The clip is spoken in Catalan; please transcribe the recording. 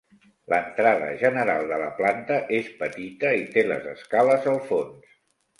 L'entrada general de la planta és petita i té les escales al fons.